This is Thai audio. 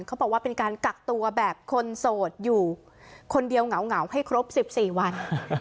เขาบอกว่าเป็นการกักตัวแบบคนโสดอยู่คนเดียวเหงาให้ครบ๑๔วัน